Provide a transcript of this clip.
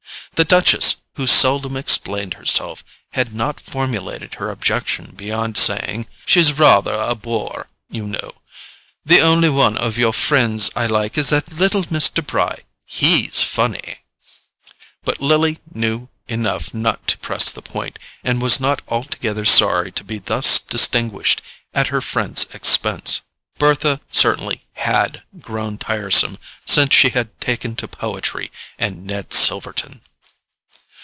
The Duchess, who seldom explained herself, had not formulated her objection beyond saying: "She's rather a bore, you know. The only one of your friends I like is that little Mr. Bry—HE'S funny—" but Lily knew enough not to press the point, and was not altogether sorry to be thus distinguished at her friend's expense. Bertha certainly HAD grown tiresome since she had taken to poetry and Ned Silverton.